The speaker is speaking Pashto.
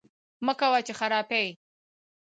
مکوه! چې خراپی یې